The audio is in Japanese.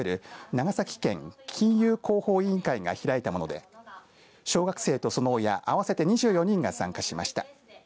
長崎県金融広報委員会が開いたもので小学生とその親合わせて２４人が参加しました。